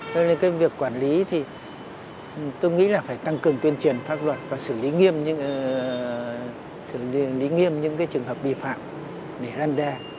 thế nên cái việc quản lý thì tôi nghĩ là phải tăng cường tuyên truyền pháp luật và xử lý nghiêm những cái trường hợp bị phạm để an đe